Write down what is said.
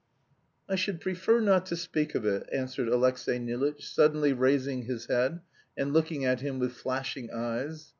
"I should prefer not to speak of it," answered Alexey Nilitch, suddenly raising his head, and looking at him with flashing eyes.